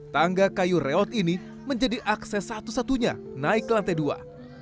tangga kayu reot ini menjadi akses satu satunya naik ke lantai dua